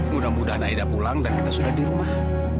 mudah mudahan aida pulang dan kita sudah di rumah